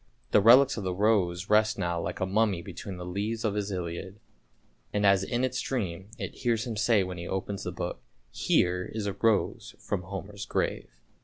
The relics of the rose rest now like a mummy between the leaves of his Iliad, and as in its dream it hears him say when he opens the book, " here is a rose from Homer's grave!